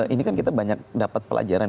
ini kan kita banyak dapat pelajaran